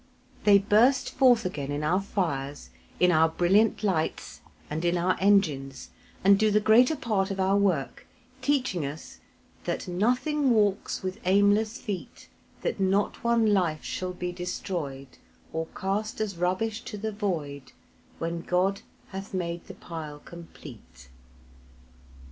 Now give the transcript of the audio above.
They burst forth again in our fires, in our brilliant lights, and in our engines, and do the greater part of our work; teaching us "That nothing walks with aimless feet That not one life shall be destroyed, Or cast as rubbish to the void, When God hath made the pile complete."